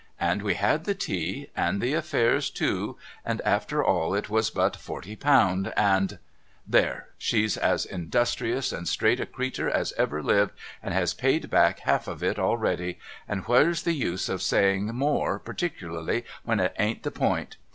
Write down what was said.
And we had the tea and the affairs too and after all it was but forty pound, and There ! she's as industrious and straight a creeter as ever lived and has paid back half of it already, and where's the use of saying more, particularly when it ain't the point?